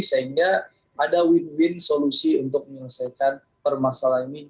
sehingga ada win win solusi untuk menyelesaikan permasalahan ini